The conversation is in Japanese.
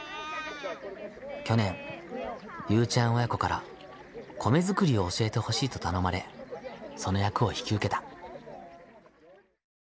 去年ゆうちゃん親子から米作りを教えてほしいと頼まれその役を引き受けた。